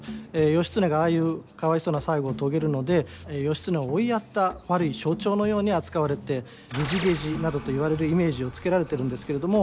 義経がああいうかわいそうな最期を遂げるので義経を追いやった悪い象徴のように扱われて「げじげじ」などと言われるイメージをつけられてるんですけれども。